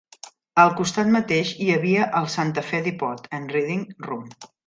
Al costat mateix hi havia el Santa Fe Depot and Reading Room.